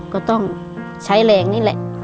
ก็ต้องใช้แรงนี่แหละ